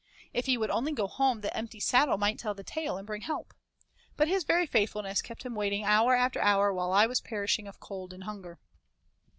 If he would only go home the empty saddle might tell the tale and bring help. But his very faithfulness kept him waiting hour after hour while I was perishing of cold and hunger.